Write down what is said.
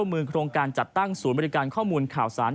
หรืออันขึ้นให้เซตด้าย